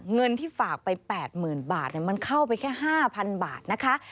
เงินที่ฝากไป๘๐๐๐บาทมันเข้าไปแค่๕๐๐๐บาทนะคะ